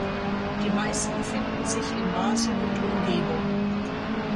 Die meisten finden sich in Basel und Umgebung.